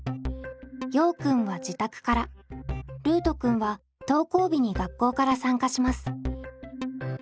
ようくんは自宅からルートくんは登校日に学校から参加します。